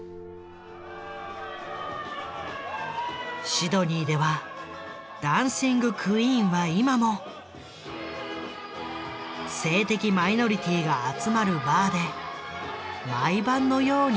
シドニーでは「ダンシング・クイーン」は今も性的マイノリティーが集まるバーで毎晩のようにかかっている。